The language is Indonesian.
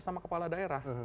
sama kepala daerah